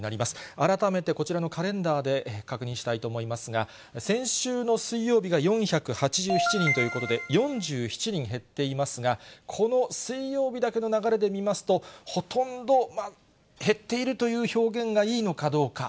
改めてこちらのカレンダーで確認したいと思いますが、先週の水曜日が４８７人ということで、４７人減っていますが、この水曜日だけの流れで見ますと、ほとんど減っているという表現がいいのかどうか。